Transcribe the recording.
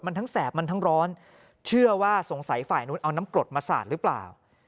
มันทั้งแสบมันทั้งร้อนเชื่อว่าสงสัยฝ่ายนู้นเอาน้ำกรดมาสาดหรือเปล่า